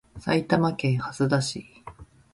埼玉県蓮田市